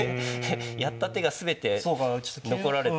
やった手が全て残られて。